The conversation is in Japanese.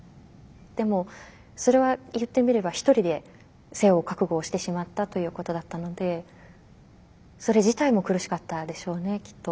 でもそれは言ってみれば一人で背負う覚悟をしてしまったということだったのでそれ自体も苦しかったでしょうねきっと。